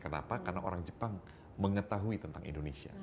kenapa karena orang jepang mengetahui tentang indonesia